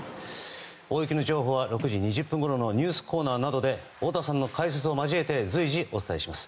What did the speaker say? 大雪の情報は６時２０分ごろのニュースコーナーなどで太田さんの解説を交えて随時お伝えします。